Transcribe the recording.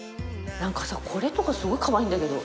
何かさこれとかすごいカワイイんだけど。